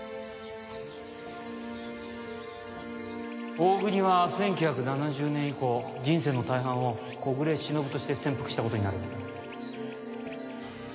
大國は１９７０年以降人生の大半を小暮しのぶとして潜伏した事になる。